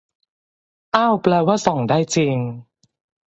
อ้าวแปลว่าส่องได้จริง